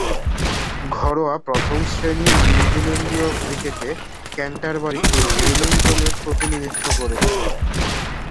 ঘরোয়া প্রথম-শ্রেণীর নিউজিল্যান্ডীয় ক্রিকেটে ক্যান্টারবারি ও ওয়েলিংটনের প্রতিনিধিত্ব করেছেন।